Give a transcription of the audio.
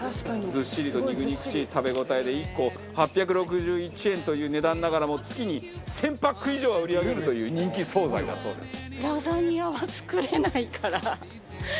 ずっしりと肉々しい食べ応えで１個８６１円という値段ながらも月に１０００パック以上は売り上げるという人気惣菜だそうです。